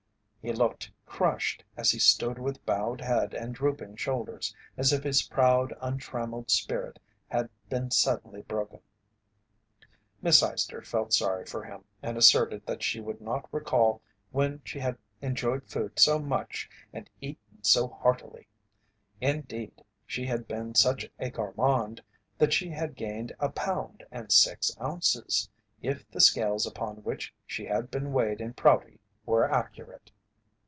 He looked crushed as he stood with bowed head and drooping shoulders as if his proud, untrammelled spirit had been suddenly broken. Miss Eyester felt sorry for him and asserted that she could not recall when she had enjoyed food so much and eaten so heartily. Indeed, she had been such a gourmand that she had gained a pound and six ounces, if the scales upon which she had been weighed in Prouty were accurate.